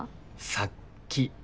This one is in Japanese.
殺気。